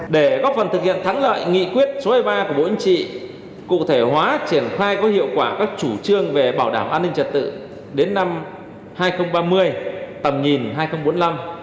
để góp phần thực hiện thắng lợi nghị quyết số một mươi ba của bộ yên trị cụ thể hóa triển khai có hiệu quả các chủ trương về bảo đảm an ninh trật tự đến năm hai nghìn ba mươi tầm nhìn hai nghìn bốn mươi năm